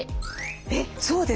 えっそうですか。